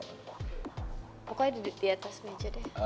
pokoknya duduk di atas meja deh